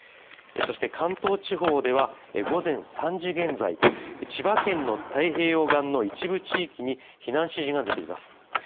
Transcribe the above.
そして関東地方では午前３時現在、千葉県の太平洋岸の一部地域に避難指示が出ています。